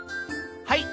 はい。